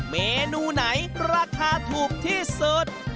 เมนูไหนราคาถูกที่สุด